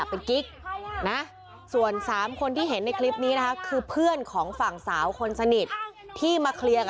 เป็นฉันจะไม่กล้ามันจะตาย